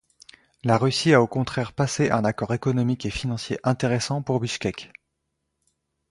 La Russie a au contraire passé un accord économique et financier intéressant pour Bichkek.